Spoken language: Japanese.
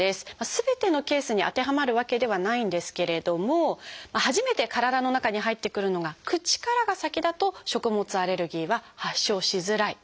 すべてのケースに当てはまるわけではないんですけれども初めて体の中に入ってくるのが口からが先だと食物アレルギーは発症しづらい。